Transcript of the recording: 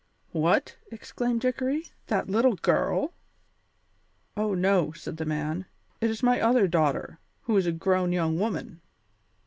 "What!" exclaimed Dickory, "that little girl?" "Oh, no!" said the man; "it is my other daughter, who is a grown young woman."